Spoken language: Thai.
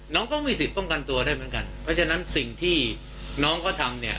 น้องก็มีสิทธิ์ป้องกันตัวได้เหมือนกันเพราะฉะนั้นสิ่งที่น้องเขาทำเนี่ย